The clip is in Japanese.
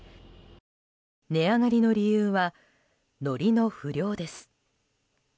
値上がりの理由はのりの不漁です。